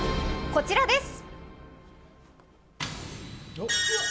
こちらです。